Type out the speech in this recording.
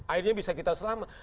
akhirnya bisa kita selamat